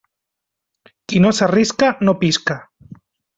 Qui no s'arrisca, no pisca.